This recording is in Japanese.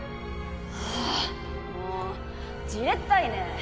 はぁもうじれったいね。